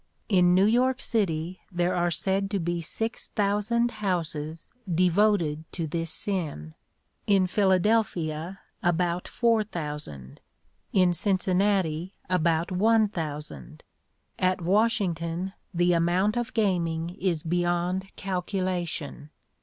In New York city there are said to be six thousand houses devoted to this sin; in Philadelphia about four thousand; in Cincinnati about one thousand; at Washington the amount of gaming is beyond calculation.